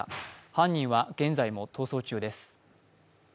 犯人は現在も逃走中です。